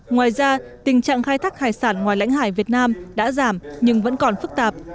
ngoài ra tình trạng khai thác hải sản ngoài lãnh hải việt nam đã giảm nhưng vẫn còn phức tạp